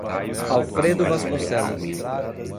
Alfredo Vasconcelos